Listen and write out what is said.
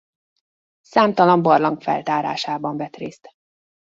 Számtalan barlang feltárásában vett részt.